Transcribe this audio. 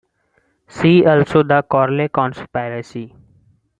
See also "The Corley Conspiracy".